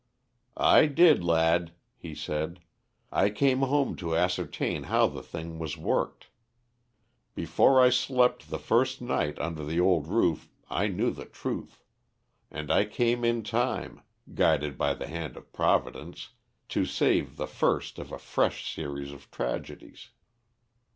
"I did, lad," he said. "I came home to ascertain how the thing was worked. Before I slept the first night under the old roof I knew the truth. And I came in time guided by the hand of Providence to save the first of a fresh series of tragedies.